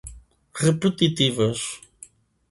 repetitivas